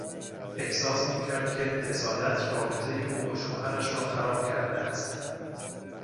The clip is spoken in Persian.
احساس میکرد که حسادت رابطهی او با شوهرش را خراب کرده است.